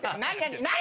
何？